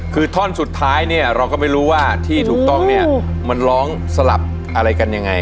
คือท่อนสุดท้ายเนี่ยเราก็ไม่รู้ว่าที่ถูกต้องเนี่ยมันร้องสลับอะไรกันยังไง